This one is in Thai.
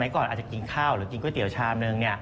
ก่อนอาจจะกินข้าวหรือกินก๋วยเตี๋ยวชามนึง